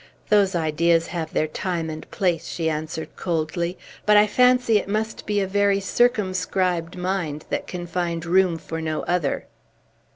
"Those ideas have their time and place," she answered coldly. "But I fancy it must be a very circumscribed mind that can find room for no other."